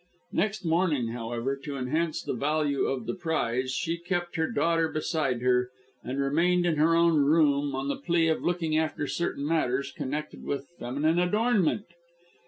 Next morning, however, to enhance the value of the prize, she kept her daughter beside her, and remained in her own room on the plea of looking after certain matters connected with feminine adornment.